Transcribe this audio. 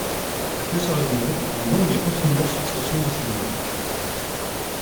Elle peut se résumer en une longue et continuelle succession de seigneurs.